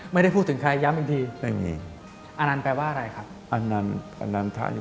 ไม่ได้พูดถึงใครย้ำอีกที